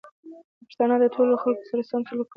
پښتانه د ټولو خلکو سره سم سلوک کوي.